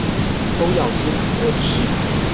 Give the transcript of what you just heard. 都要清楚認識